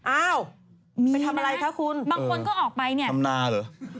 อ้าวไปทำอะไรคะคุณทำหน้าหรือ